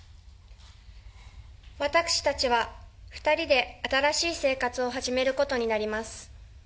私たちは２人で新しい生活を始めることになります。